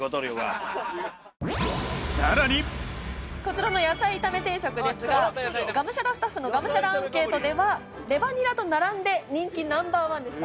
さらにこちらの野菜炒め定食ですががむしゃらスタッフのがむしゃらアンケートではレバニラと並んで人気ナンバーワンでした。